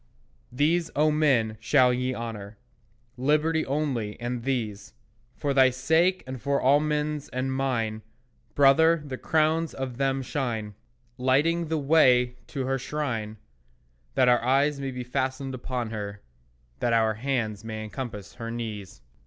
These, O men, shall ye honour, Liberty only, and these. For thy sake and for all men's and mine, Brother, the crowns of them shine Lighting the way to her shrine, That our eyes may be fastened upon her, That our hands may encompass her knees.